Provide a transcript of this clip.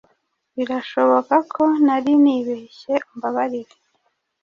Birashoboka ko nari nibeshye, umbabarire.